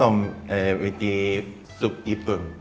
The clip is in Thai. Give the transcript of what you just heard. แล้วก็ผสมวิธีสุบญี่ปุ่น